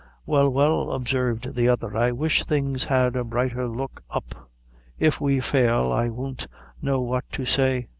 "Well, well," observed the other, "I wish things had a brighter look up. If we fail, I won't know what to say.